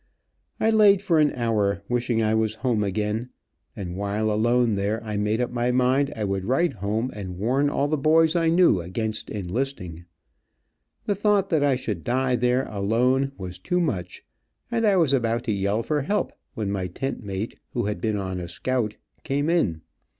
I laid for an hour wishing I was home again; and while alone there I made up my mind I would write home and warn all the boys I knew against enlisting. The thought that I should die there alone was too much, and I was about to yell for help when my tent mate, who had been on a scout, came in.